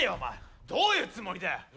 どういうつもりだよ？